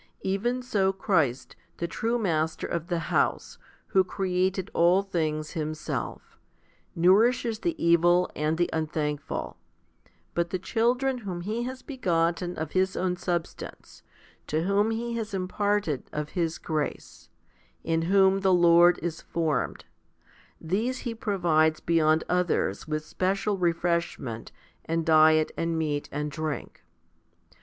Even so Christ, the true Master of the house, who created all things Himself, nourishes the evil and the unthankful, but the children whom He has begotten of His own substance, to whom He has imparted of His grace, in whom the Lord is formed, these He provides beyond others with special refreshment and diet and meat and drink.